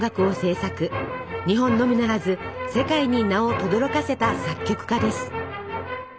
日本のみならず世界に名をとどろかせた作曲家です。